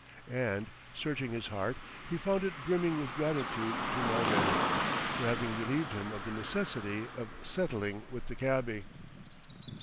And, searching his heart, he found it brimming with gratitude to Mulready, for having relieved him of the necessity of settling with the cabby.